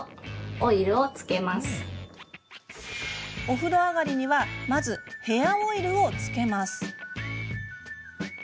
お風呂上がりにはまずヘアオイルをつけます。